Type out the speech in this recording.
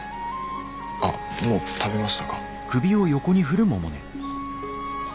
あっもう食べましたか？